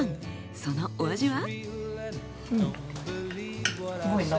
そのお味は？